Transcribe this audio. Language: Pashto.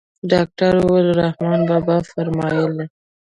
ډاکتر وويل رحمان بابا فرمايي.